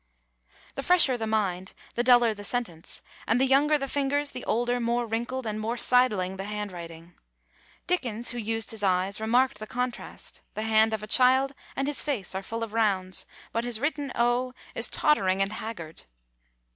The fresher the mind the duller the sentence; and the younger the fingers the older, more wrinkled, and more sidling the handwriting. Dickens, who used his eyes, remarked the contrast. The hand of a child and his face are full of rounds; but his written O is tottering and haggard.